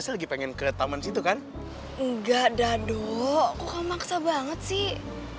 lagi pengen ke taman situ kan enggak dadok maksa banget sih